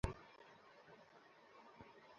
আমার দেবদূতদের আচারের মতো তরতাজা রাখতে হবে।